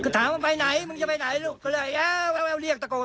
ก็ถามว่าไปไหนมึงจะไปไหนลูกก็เลยแอ้วแอ้วแอ้วเรียกตะโกน